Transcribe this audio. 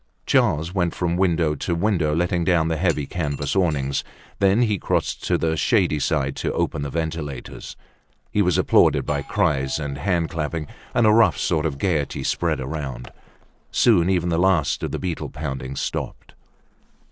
Charles went from window to window, letting down the heavy canvas awnings. Then he crossed to the shady side to open the ventilators. He was applauded by cries and hand clapping and a rough sort of gaiety spread around. Soon even the last of the beetle pounding stopped.